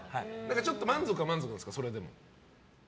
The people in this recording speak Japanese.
ちょっと満足は満足なんですかそれでも。